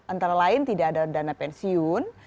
antara lain tidak ada dana pensiun